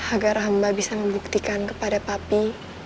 agar hamba bisa membuktikan kepada papi